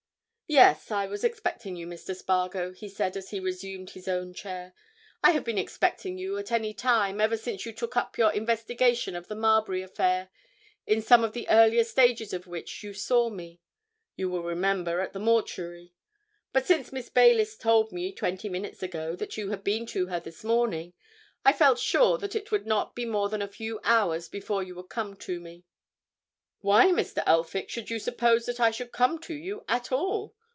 "Yes, I was expecting you, Mr. Spargo," he said, as he resumed his own chair. "I have been expecting you at any time, ever since you took up your investigation of the Marbury affair, in some of the earlier stages of which you saw me, you will remember, at the mortuary. But since Miss Baylis told me, twenty minutes ago, that you had been to her this morning I felt sure that it would not be more than a few hours before you would come to me." "Why, Mr. Elphick, should you suppose that I should come to you at all?"